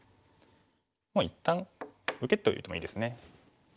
もう一旦受けておいてもいいですね。